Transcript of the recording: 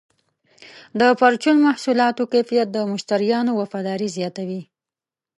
د پرچون محصولاتو کیفیت د مشتریانو وفاداري زیاتوي.